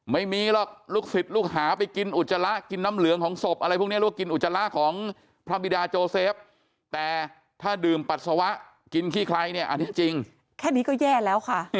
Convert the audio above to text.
ไม่มีหรอกลูกศิษย์ลูกหาไปกินอุจจาระ